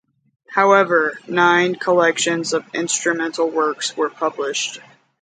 However, nine collections of instrumental works were published.